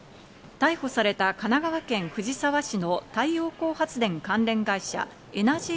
逮捕された神奈川県藤沢市の太陽光発電関連会社・エナジー